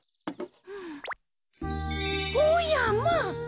おやまあ！